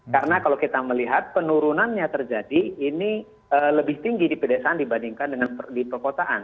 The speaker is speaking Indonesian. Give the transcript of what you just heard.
karena kalau kita melihat penurunannya terjadi ini lebih tinggi di pedesaan dibandingkan di pekotaan